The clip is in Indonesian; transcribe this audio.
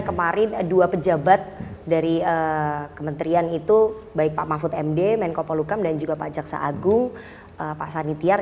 kemarin dua pejabat dari kementerian itu baik pak mahfud md menko polukam dan juga pak jaksa agung pak sanitiar